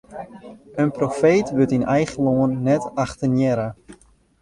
In profeet wurdt yn eigen lân net achtenearre.